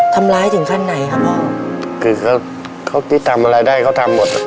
ทำร้ายถึงขั้นไหนครับพ่อคือเขาเขาที่ทำอะไรได้เขาทำหมดอ่ะ